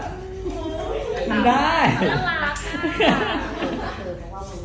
สนุกรัก